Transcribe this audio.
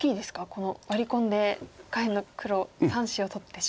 このワリ込んで下辺の黒３子を取ってしまう。